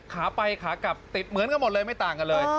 ขาไปขากลับติดเหมือนกันหมดเลยไม่ต่างกันเลย